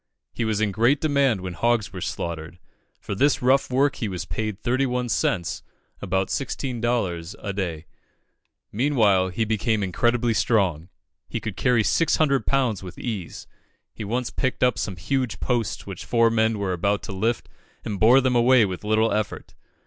He was in great demand when hogs were slaughtered. For this rough work he was paid 31 cents (about 16d.) a day. Meanwhile, he became incredibly strong. He could carry six hundred pounds with ease; he once picked up some huge posts which four men were about to lift, and bore them away with little effort.